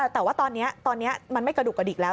แต่ว่าตอนนี้มันไม่กระดูกกระดิกแล้ว